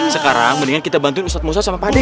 sekarang mendingan kita bantuin ustadz musa sama pak ade